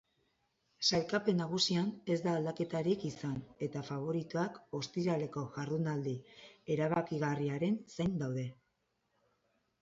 Sailkapen nagusian ez da aldaketarik izan eta faboritoak ostiraleko jardunaldi erabakigarriaren zain daude.